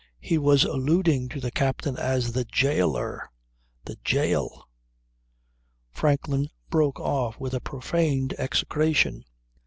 He was alluding to the captain as "the jailer." The jail ...!" Franklin broke off with a profane execration.